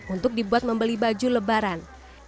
untuk dibuat membeli baju lebaran